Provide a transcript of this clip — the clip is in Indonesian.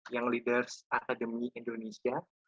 yang leaders academy indonesia